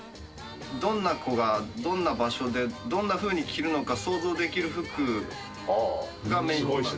どんな子がどんな場所でどんなふうに着るのか想像できる服がメインです。